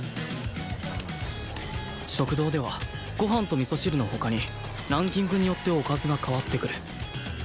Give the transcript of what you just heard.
食堂ではご飯と味噌汁の他にランキングによっておかずが変わってくる